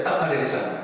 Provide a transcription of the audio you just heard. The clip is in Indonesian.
tetap ada di sana